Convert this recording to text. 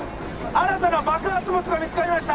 新たな爆発物が見つかりました